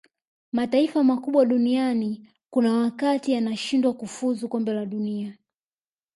mataifa makubwa duniani kuna wakati yanashindwa kufuzu kombe la dunia